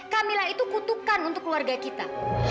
camillah itu kutukan untuk keluarga kita